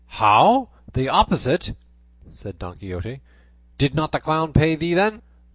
"How! the opposite?" said Don Quixote; "did not the clown pay thee then?"